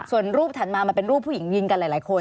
ส่วนรูปถัดมามันเป็นรูปผู้หญิงยิงกันหลายคน